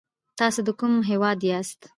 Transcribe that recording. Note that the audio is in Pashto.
تاسو د کوم هېواد یاست ؟